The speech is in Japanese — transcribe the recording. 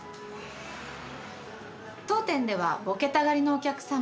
当店ではボケたがりのお客さま